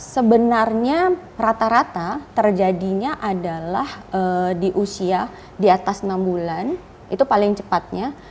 sebenarnya rata rata terjadinya adalah di usia di atas enam bulan itu paling cepatnya